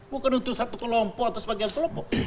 bukan untuk satu kelompok atau sebagian kelompok